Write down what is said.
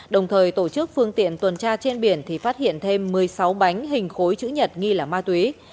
đồng thời tổ chức phương tiện tuần tra trên biển thì phát hiện thêm một mươi sáu bánh hình khối chữ nhật nghi là ma túy